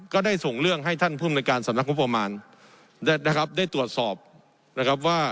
ก็ได้ส่งเรื่องให้ท่านภูมิในการสำนักงบประมาณนะครับได้ตรวจสอบนะครับว่า